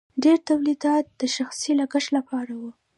ډیر تولیدات د شخصي لګښت لپاره وو.